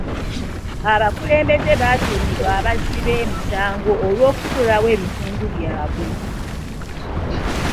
Abakulembeze baatuumibwa abazzi b'emisango olw'okusuulawo ebitundu byabwe.